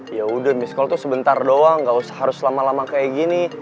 ya udah miskal tuh sebentar doang gak usah harus lama lama kayak gini